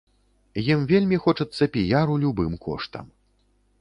Ім вельмі хочацца піяру любым коштам.